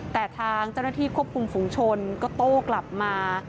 แต่ทางเจ้าหน้าที่ควบคุมฝุงชนก็โต้กลับมา